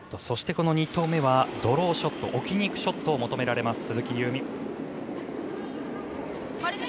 そして２投目はドローショット置きにいくショットが求められる鈴木夕湖。